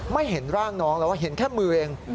เห็นร่างน้องแล้วเห็นแค่มือเอง